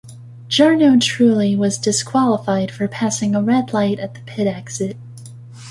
Jarno Trulli was disqualified for passing a red light at the pit exit.